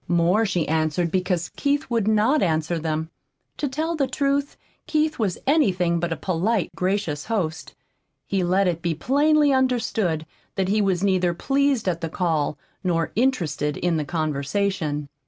More she answered because Keith would not answer them. To tell the truth, Keith was anything but a polite, gracious host. He let it be plainly understood that he was neither pleased at the call nor interested in the conversation.